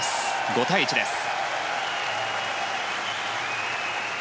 ５対１です。